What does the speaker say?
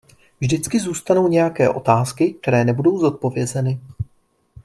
Vždycky zůstanou nějaké otázky, které nebudou zodpovězeny.